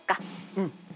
うん。